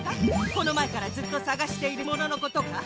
このまえからずっとさがしているもののことか？